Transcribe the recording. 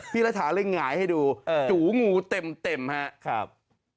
รัฐาเลยหงายให้ดูจูงูเต็มครับ